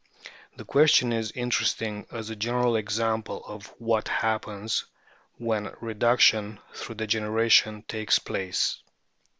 The question is interesting as a general example of what happens when reduction through degeneration takes place.